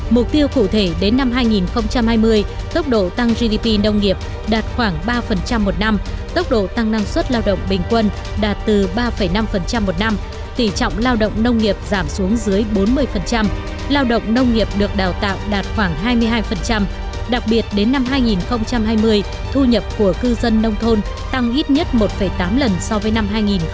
mục tiêu cụ thể đến năm hai nghìn hai mươi tốc độ tăng gdp nông nghiệp đạt khoảng ba một năm tốc độ tăng năng suất lao động bình quân đạt từ ba năm một năm tỉ trọng lao động nông nghiệp giảm xuống dưới bốn mươi lao động nông nghiệp được đào tạo đạt khoảng hai mươi hai đặc biệt đến năm hai nghìn hai mươi thu nhập của cư dân nông thôn tăng ít nhất một tám lần so với năm hai nghìn một mươi năm